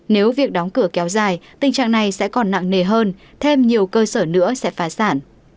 nếu việc đóng cửa kéo dài tình trạng này sẽ còn nặng nề hơn thêm nhiều cơ sở nữa sẽ phá sản